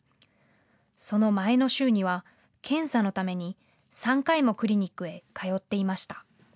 その前の週には検査のために３回もクリニックへ通っていました。